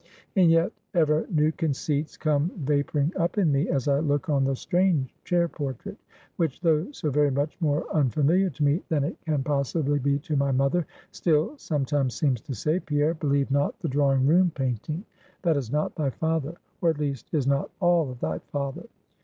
And yet, ever new conceits come vaporing up in me, as I look on the strange chair portrait: which, though so very much more unfamiliar to me, than it can possibly be to my mother, still sometimes seems to say Pierre, believe not the drawing room painting; that is not thy father; or, at least, is not all of thy father.